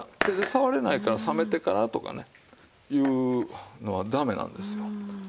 手で触れないから冷めてからとかねいうのはダメなんですよ。